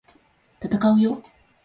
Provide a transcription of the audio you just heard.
闘うよ！！